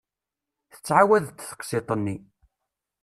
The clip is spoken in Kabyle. Tettɛawad-d teqsiṭ-nni.